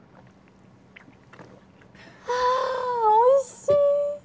あおいしい！